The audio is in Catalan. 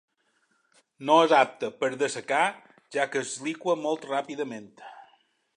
No és apte per dessecar, ja que es liqua molt ràpidament.